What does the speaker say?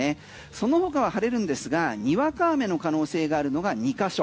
その他は晴れるんですがにわか雨の可能性があるのが２ヶ所。